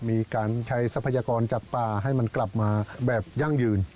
มีการใช้ทรัพยากรจับปลาให้มันกลับมาแบบยั่งยืน